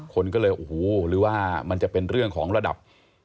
คนก็เลยโอ้โหหรือว่ามันจะเป็นเรื่องของระดับ